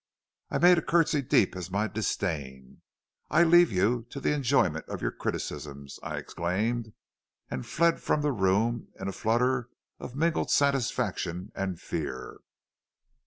"I made a curtsey deep as my disdain. 'I leave you to the enjoyment of your criticisms,' I exclaimed, and fled from the room in a flutter of mingled satisfaction and fear.